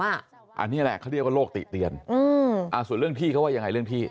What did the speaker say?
อันนี้ละเขาเรียกโรคติเตียนส่วนเรื่องที่เขาว่ายังไง